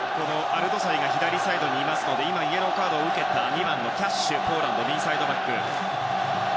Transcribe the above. アルドサリが左サイドにいますので今、イエローカードを受けた２番のポーランドのキャッシュは右サイドバック。